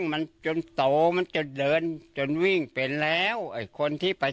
ไม่เป็นไร